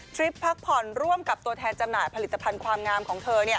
ริปพักผ่อนร่วมกับตัวแทนจำหน่ายผลิตภัณฑ์ความงามของเธอ